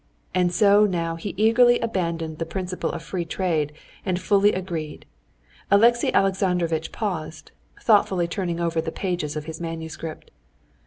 And so now he eagerly abandoned the principle of free trade, and fully agreed. Alexey Alexandrovitch paused, thoughtfully turning over the pages of his manuscript.